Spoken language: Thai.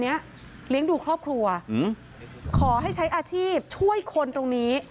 เลี้ยงดูครอบครัวขอให้ใช้อาชีพช่วยคนตรงนี้